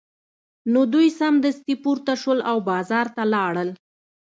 نو دوی سمدستي پورته شول او بازار ته لاړل